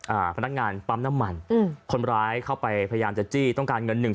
อ่าพนักงานปั๊มน้ำมันอืมคนร้ายเข้าไปพยายามจะจี้ต้องการเงินหนึ่ง